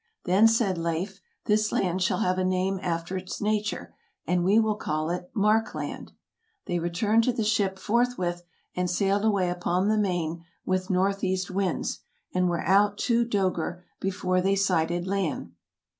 Then said Leif, " This land shall have a name after its nature; and we will call it Mark land." They returned to the ship forthwith, and sailed away upon the main with northeast winds, and were out two '' doegr '' before they sighted land.